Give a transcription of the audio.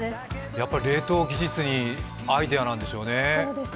やっぱり冷凍技術にアイデアなんでしょうね。